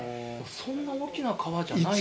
そんな大きな川じゃないですか。